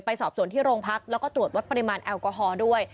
สอบส่วนที่โรงพักแล้วก็ตรวจวัดปริมาณแอลกอฮอล์ด้วย